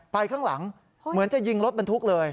ข้างหลังเหมือนจะยิงรถบรรทุกเลย